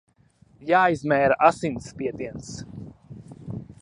Jāizmēra asinsspiediens!